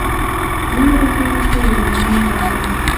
دوې ورځې وروسته یوه میرمن راغله.